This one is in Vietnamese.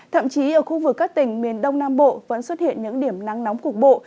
thậm chí ở khu vực các tỉnh miền đông nam bộ vẫn xuất hiện những điểm nắng nóng cục bộ